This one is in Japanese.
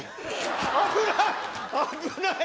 危ない！